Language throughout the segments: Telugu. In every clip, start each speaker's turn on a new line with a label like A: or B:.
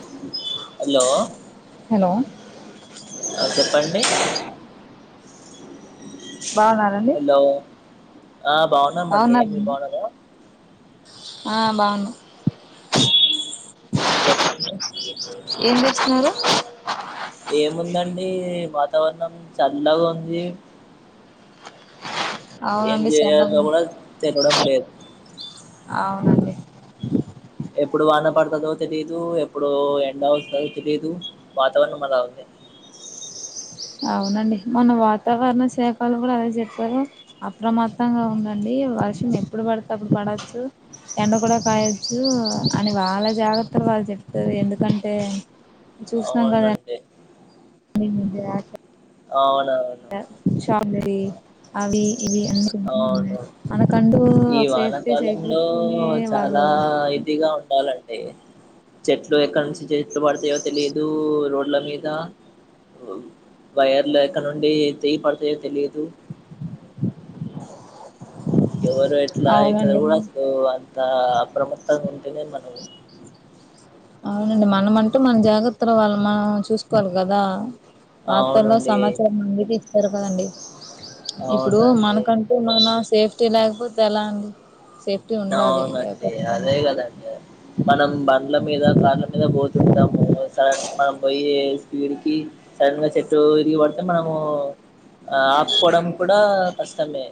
A: ల్ హలో
B: హలో
A: ఆ చెప్పండి
B: బావున్నారండి
A: హలో ఆ బావున్నామండి మీరు బావున్నారా
B: ఆ బావునం ప్ చ్ ల్
A: చెప్పండి
B: ఏం జేస్తున్నారు
A: ఏముందండి వాతావర్ణం చల్లగుంది ఏమ్
B: అవునండి చాలా
A: చేయల్నో కూడా తెలవడం లేదు
B: అవునండి
A: ఎప్పుడు వాన పడ్తదో తెలిదు ఎప్పుడు ఎండ వోస్తుంద్ తెలిదు వాతావర్ణం అలా ఉంది
B: అవునండి మొన్న వాతావర్ణ శాకొలు కూడా అదే జేప్పారు అప్రమత్తంగా ఉండండి వర్షం ఎప్పుడు పడిత్ అప్పుడు పడచ్చు ఎండ కూడా కాయచ్చు అని వాళ జాగ్రత్తలు వాళ్ళు చెప్తారు ఎందుకంటే చూసినాం కదా
A: అవునండి
B: ము మ్ ధ్యా క్
A: అవున్
B: హ్ చ కొందరి అవి ఇది అందుకుంటనే ఉంది
A: అవును
B: మనకంటూ
A: ఈ
B: ఒక సేఫ్టీ
A: వానాకాలంలో
B: సెక్యూరిటీని వాళ్ళు
A: డి చెట్లు ఎక్నుంచి చెట్లు పడ్తాయో తెలిదు రోడ్ల మీద వ్ వైర్లు ఎక్కడ నుండి తెగి పడ్తాయో తెలిదు ఎవరు ఎట్లా ఇక్కడ కూడా
B: అవునండి
A: అస్సలు అంతా అప్రమత్తంగా ఉంటేనే మనమ్
B: అవునండి మనమంటూ మన్ జాగ్రత్తలు వాళ్ళు మనం చూస్కోవాలి గదా పాతలో
A: అవునండి
B: సమాచారం మాంగతే జరగధండి ఇప్పుడు
A: అవునండి
B: మనకంటే మనా సేఫ్టీ లేకపోతే ఎలా అండి సేఫ్టీ ఉండాలి ఏ
A: అవునండి అదే
B: ఖచ్చితంగా
A: కదండి మనం బ బండ్ల మీద కార్ల మీద పోతుంటాము సడన్ మనం పోయే స్పీడ్ కి సడన్ గా చెట్టు విరిగి పడితే మనము ఆ ఆపుకోవడం కూడా ఆ కష్టమే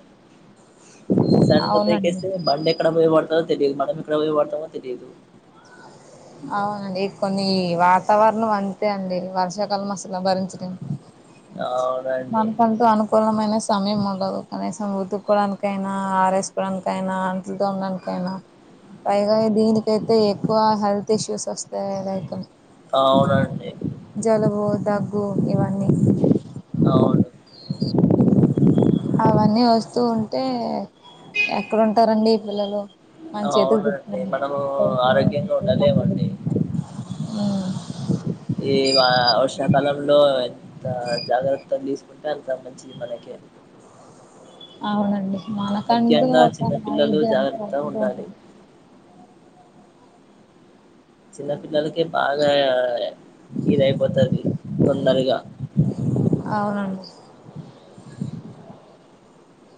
A: సడెన్ గా బ్రేక్
B: అవునండి
A: ఏస్తే బండి పడుతందో తెలియదు మనం ఇక్కడ పో పడతాందో తెలిదు
B: అవునండి కొన్ని వాతావరణం అంతే అండి వర్షాకాలం అసలు భరించడం
A: అవునండి
B: మనకంటూ అనుకూలమైన సమయం ఉండదు కనీసం ఉతుకోవడానికైనా ఆరేసుకోవడానికైనా అంటలు తోమాడానీకైనా పైగా దీనికైతే ఎక్కువ హెల్త్ ఇష్యూస్ వస్తాయి లైక్
A: అవునండి
B: బు దగ్గు ఇవన్నీ
A: అవును
B: స అవన్నీ వస్తూ ఉంటే ఎక్కడ ఉంటారండి పిల్లలు మన చేతికి
A: అవునండి
B: చుట్టారు
A: మనము ఆరోగ్యంగా ఉండలేమండి
B: ఊ
A: ఈ వ వర్షాకాలంలో జాగ్రత్తలు తీస్ అంత మంచిది మనకి
B: అవునండి మనకంటూ
A: ముఖ్యంగా
B: ఒక
A: చిన్నపిల్లలు
B: ఐదు
A: జాగ్రత్తగా
B: చకుంటూ
A: ఉండాలి
B: ఉంటుంది
A: చిన్న పిల్లలకే బాగా ఇది అయిపోతుంది తొందరగా
B: అవునండి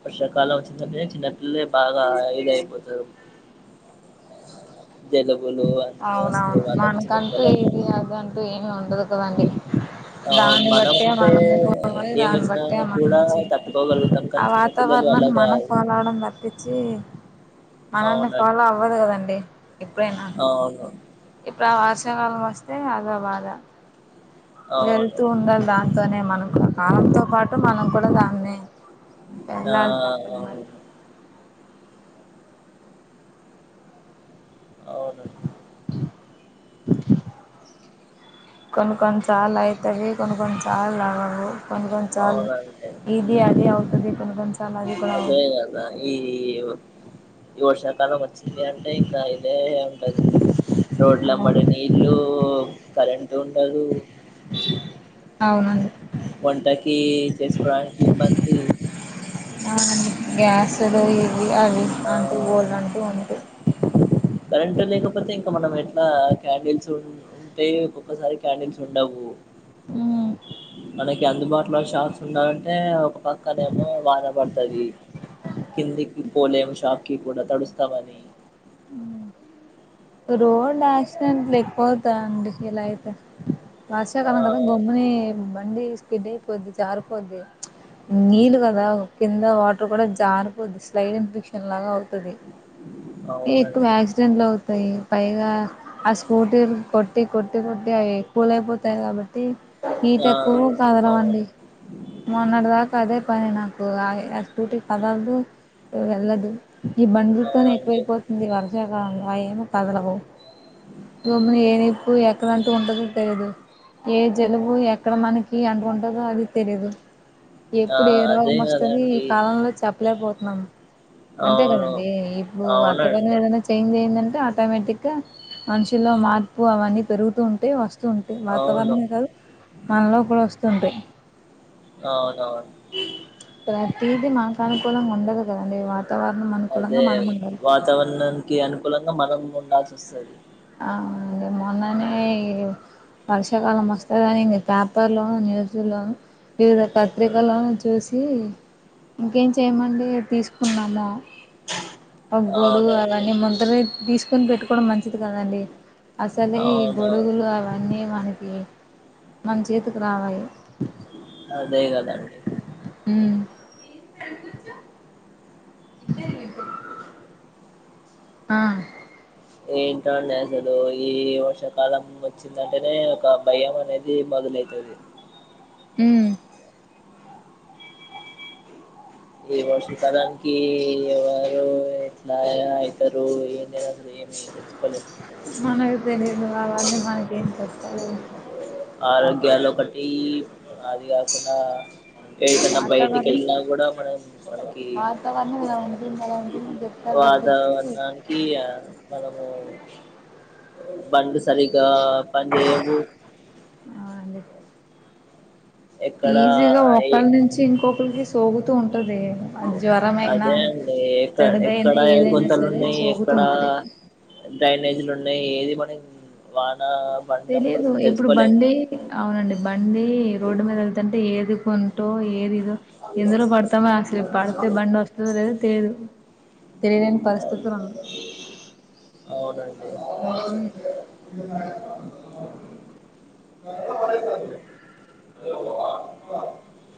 A: వర్షాకాలం వచ్చిందంటే చిన్న పిల్ల లే బాగా ఇదయిపోతురు అన్నీ వస్తాయి
B: అవునవును
A: వాళ్ళకి
B: మాన్కంటూ
A: చిన్నపిల్లలకి
B: ఇది ఆది అని అంటూ ఏమి ఉండదు భ అండి
A: అవును
B: దాన్ని
A: మనం
B: బట్టి
A: అంటే
B: మనమే పోవాలి దాన్ని
A: ఏమొచ్చినా
B: బట్టి
A: కూడా
B: మనమే చేయాలి
A: తట్టుకోగలుగుతాం కానీ
B: ఆ
A: చిన్నపిల్లలు అలా
B: వాతావరణాన్ని మనం
A: కాదు
B: పోలావడం తప్పించి మనల్ని
A: అవునండి
B: ఫాలో అవ్వదు కదండి
A: అవును
B: వార్షకాల వస్తే అదో బాద
A: అవును
B: వెళ్తూ ఉండాలి దాంతోనే మనం కాలంతో పాటు మనం కూడా దాన్నే
A: ఆ
B: ఎల్లాలి తప్పదు
A: అవును
B: మరి
A: అవునండి
B: కొనీ కొన్నిసార్లు అవుతయికొన్ని కొన్నిసార్లు ఆవవు కొన్ని కొన్నిసార్లు
A: అవునండి
B: ఇది అదిే
A: హ్మ్
B: అవుతది కొన్ని కొన్నిసార్లు అది కూడా
A: అదే
B: అవదు
A: కదా ఈ ఈ వర్షాకాలం వచ్చింది అంటే ఇంకా ఇదే ఉంటది రోడ్లంబడి
B: అవునండి
A: నీళ్ళు కరెంట్ ఉండదు
B: అవునండి
A: వంటకి చేసుకోడానికి ఇబ్బంది
B: ఆ గ్యాసులు అవి అవి
A: ఆ
B: అంటూ గోల్ అంటూ ఉంటయి
A: కరెంట్ లేకపోతే ఇంకా మనం ఎట్లా క్యాండిల్స్ ఉ ఉంటే ఒక్కొక్కసారి క్యాండిల్స్ ఉండవు మనకి అందుబాటులో అట్లో షాక్స్ ఉండాలంటే ఒక పక్కనే ఏమో వాన పడుతది కిందికి పోలేము షాక్కిి కూడా తడుస్తామని
B: ఉ రోడ్ యాక్సిడెంట్ లేకపోతా అండి ఇలా అయితే
A: ఆ
B: వర్షాకాలం కదా గమ్ముని బండి కిడయిపోద్ది జారిపోద్ది నీళ్లు కదా కింద వాటర్ కూడా జారిపోద్ది స్లైడ్ ఇన్ఫెక్షన్ లాగా అవు తది ఎక్కువ
A: అవునండి
B: యాక్సిడెట్లవుత యి పైగా ఆ స్కూటీలు కొట్టి కొట్టి కొట్టి అవి కూల్ అయిపోతాయి కాబట్టి హీట్
A: ఆ
B: ఎక్కువు కదలవండి
A: అవును
B: మొన్నటి దాక అదే పని నాకు ఆ స్కూటీ కదలదు వెళ్ళదు ఈ
A: ఆ
B: బండిలతోనే
A: అండి
B: ఎక్కువైపోతుంది వర్షాకాలంలో అయేమో కదలవు భూముని ఏ నిప్పు ఎక్కడ అంటూ ఉంటుందో తెలియదు ఏ జలుబు ఎక్కడ మనకి అంటూకుంటదో అది తేలిదు
A: ఆ
B: ఎప్పుడు ఏ
A: అదే
B: రోగం వస్తుది ఈ
A: కదండి
B: కాలంలో చెప్పలేకపోతు మ అంతే
A: అవును
B: కదండి ఇప్పుడు వాతావరణం
A: అవునండి
B: ఏదైనా చేంజ్ అయందంటె తే ఆటోమేటిక్ గా మనుషుల్లో మార్పు అవన్నీ పెరుగుతూ ఉంటాయి వస్తు స్తుంటాయి
A: అవును
B: వాతావరణమే కాదు మనలో కూడా వస్తుంటాయి
A: అవునవును
B: ప్రతీదీ మాకు అనుకూలంగా ఉండదు కదండి వాత్
A: అయితే వాతావరణానికి అనుకూలంగా మనం ఉండాల్సి వస్తది
B: అవును మొన్ననే వర్షాకాలం వస్తదని నేను పేపర్లోను న్యూస్లోను వివిధ పత్రికల్లోను చూసి ఇంకేం చేయమండి తీసుకున్నాము ఒగ్ గోడుగు
A: అవునండి
B: అవన్నీ ముందరే తీసుకొని పెట్టుకోవడం మంచి కదండి అసలే ఈ
A: అవునవును
B: గొడుగులు అవన్నీ అందుకే మన్ చేతుకి రావాయ్
A: అదే కదండి
B: ఉమ్ [unintelligible] అ
A: ఏంటో అండి అసలు ఈ వర్షాకాలం వచ్చిందంటేనే ఒక భయం అనేది మొదలైతది
B: ఉమ్
A: ఈ వర్షకలనికీ ఎవరూ ఎట్లా అయితరు ఏం చెయ్యలో ఏమి తెలుసుకోలేం
B: మనకు తెలియదు అవన్నీ మనకేం చెప్తారు
A: ఆరోగ్యలు ఒకట్ ఈ అది కాకుండ
B: ఇప్పుడు
A: ఏటన్న బయటికి
B: వాతావరణం
A: ఎల్లినాగూడ మనకి
B: వాతావరణం ఇలా ఉంటుంది అలా ఉంటుందని చెప్తారు తప్పించి
A: వాతావరణానికి ఆ మనము బండి సరిగా పంజేయవు
B: అవునండి ఈజీగా
A: ఏ
B: ఒకల్నించీ నుంచి ఇంకొకళ్కి సోగు తున్ టుది అది జ్వరమైన
A: అదే అండి ఎక్క
B: జలుబైన
A: ఎక్కడ గుంతలు
B: ఏదైనాసరే సోగుతుంటది
A: డ్రైనేజ్లు ఉన్నాయి ఏది మనకి వా
B: తెలిదు ఇప్పుడు బండి అవునండి బండి రోడ్డు మీద వెళ్తుంటే ఏది కొంటో ఏది ఎందులో పడతామ అసలు పడితే బండి వస్తుందో లెదో తెలిదు తెలియలేని పరిస్థితుల్లో ఉన్నం ఉం
A: అవునండి [unintelligible]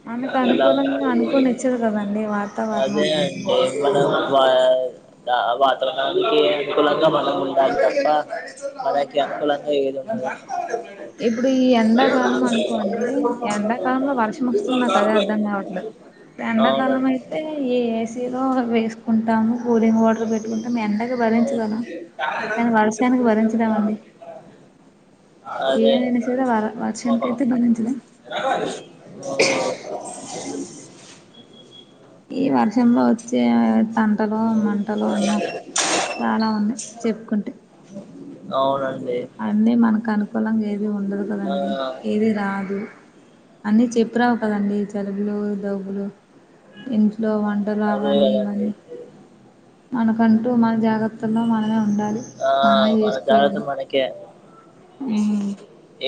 B: మనకు
A: హలో
B: అనుకూలంగా అనుకోని ఇచ్చదు కదండి
A: అదే
B: వాతావరణం
A: అండి మన వా ద వాతావరణానికి అనుకూలంగా మనం ఉండాలి తప్ప మనకి అనుకూలంగా ఏది ఉండదు
B: ఇప్పుడు ఈ ఎండాకాలం అనుకోండి
A: [unintelligible]
B: అదే అర్థం కావట్లేద్
A: అవునండి అవును
B: ఎదో [inaudible] వేసుకుంటాము కూలింగ్ వాటర్ పెట్టుకుంటామ్ ఎండకి భరించగలం కానీ వర్షానికి భరించ
A: అదే
B: ఏమైనా
A: కదా
B: సరే వర వర్షానికైతే
A: ఒక్కడు
B: భరించలేం
A: [unintelligible]
B: ఈ వర్షంలో వచ్చే తంటలో మంటలో ఉన్నాం చానా ఉంది చెప్పుకుంటే
A: అవునండ్
B: అన్ని మనకనుకూలంగా ఏది ఉండదు కదా అండి
A: ఆ
B: ఏది రాదు అన్నీ చెప్పి రావు కదండి జలుబులు దగ్గులు ఇంట్లో వంటలు
A: అదే
B: అవన్నీ
A: కదండి
B: ఇవన్నీ మనకంటూ మన్ జాగ్ జాగత్తలో మనమే ఉండాలి
A: ఆ
B: మనమే
A: మన జాగ్రత్త
B: చూసుకోవాలి
A: మనకే
B: హ్మ్మ్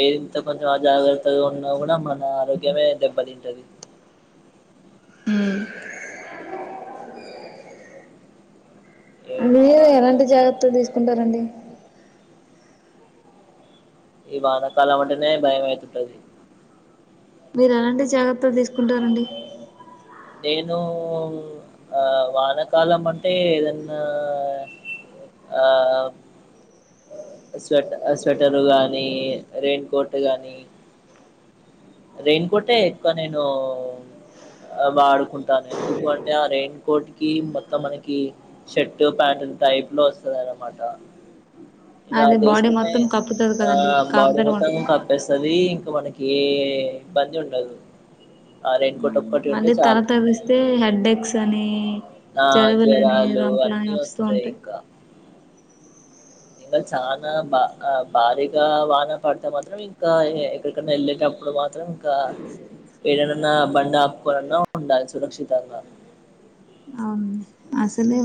A: ఇంత కొంచెం అజాగ్రత్తగా ఉన్నా కూడా మన ఆరోగ్యమే దెబ్బతింటది
B: హ్మ్మ్
A: ఏంటో
B: మీరు
A: అండి
B: ఎలాంటి
A: అసలు
B: జాగ్రత్తలు తీసుకుంటారండి
A: ఈ వానాకాలం అంటనే భయమైతుంటాది.
B: మీరు ఎలాంటి జాగ్రత్తలు తీసుకుంటారండి
A: నేను ఆ వానకాలం అంటే ఏదన్నా ఆ స్వేట్ స్వెటరు గానీ రెయిన్ కోట్ గాని రెయిన్ కోటే ఎక్కువ నేను ఆ వాడుకుంటాను ఎందుకు అంటే ఆ రెయిన్ కోట్ కి మొత్తం మనకి షర్టు ప్యాంట్ టైప్ లో వస్తాదాన్నామాట ఇకా
B: అది బాడీ
A: అదేసుకుంటే
B: మొత్తం కప్పుతది
A: ఆ
B: కదండి
A: బాడీ
B: కాపుదల
A: మొత్తం
B: ఉంటది
A: కప్పేస్తాది ఇంకా మనకి ఏ ఇబ్బంది ఉండదు ఆ రేన్కోట్ అప్
B: మళ్ళీ తరతరిస్తే హెడ్డెక్స్ అని
A: ఆ
B: జలుబులని
A: జ్వరాలు
B: రొంపులని
A: అన్నీ
B: వస్తూ
A: వస్తాయి
B: ఉంటాయి
A: ఇంకా ఇంకా చానా బా ఆ భారీగా వాన పడితే మాత్రం ఇంకా ఎక్కడికన్నా వెళ్ళేటప్పుడు మాత్రం మాత్రం ఇంకా ఏదనను ఆ బండ ఆపుకోలన్నా ఉండాలి సురక్షితంగా
B: అవున్లే అసలే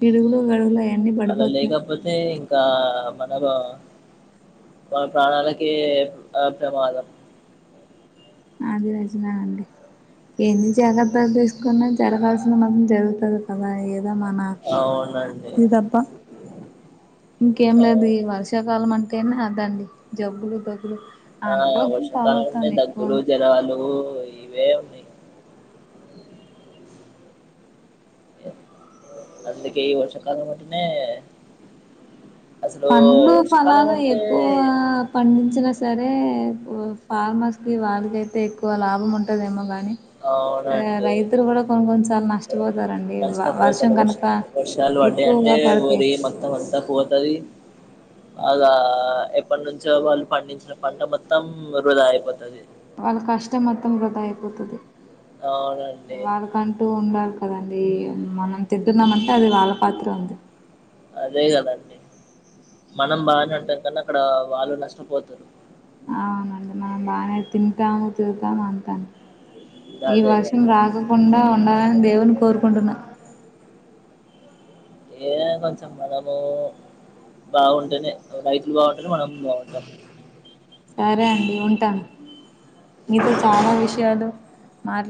B: పిడుగులు గడుగులు అవన్నీ
A: అలా
B: పడిపోతున్నాయి
A: లేకపోతే ఇంక్ ఇకా మనము వాళ్ల ప్రాణాలకి ఆ ప్రమాదం
B: అది [inaudible] అండి ఎన్ని జాగ్రత్తలు తీసుకున్నా జరగాల్సిన్ది మాత్రం జరుగుతాది కదా ఏ ఎమన్న
A: అవునండి
B: ఇద్ తప్ప ఇంకేం లేదు ఈ
A: అవును
B: వర్షాకాలం అంటే ఇంకేం రాద్దా అండి జబ్బులు దబ్బులు
A: ఆ వర్షాకాలం ఉంటాయి దగ్గులు జలు దగ్గులు ఇవే ఉన్నాయి అందుకే ఈ వర్షకాలం అంటేనేే
B: పండ్లు ఫలాలు ఎక్కువ పండించినా సరే అయితే ఫార్మర్స్ కి వారికైతే ఎక్కువగా లాభం ఉంటదేమో గా ఆ
A: అవునండి
B: రైతులు కూడా కొన్ని కొన్నిసార్లు నష్టపోతారండి వర్షం
A: నష్టపోతారు వర్ష
B: కనుక
A: వర్షాలు
B: ఎక్కువగా పడితే
A: మొత్తం అంతా టది వరి అలా ఎప్పటి నుంచో వాళ్ళు పండించిన పంట మొత్తం వృధా అయిపోతది
B: వాళ్ళ కష్టం మొత్తం వృధా అయిపోతది
A: అవునండి
B: వాళ్ళ కంటూ ఉండాలి కదా అది మనం తింటున్నామంటే అది వాళ్ళ ఫలితమే
A: అదే కదండి మనం బాగానే ఉంటాం కానీ అక్కడ వాళ్ళు నష్టపోతారు
B: అవునండి మనం బానే తింటాము తిరుగుతాము అంత ఈ
A: అదే
B: వర్షం
A: కదా
B: రాగకుండా మనం దేవున్ని కోరుకుంటున్నాం
A: ఏదైన కొంచెం మనము బాగుంటేనే రైతులు బాగుంటేనే మనం బాగుంటాం
B: సరే అండి ఉంటాను మీతో చాలా విషయాలు మాట్లాడ్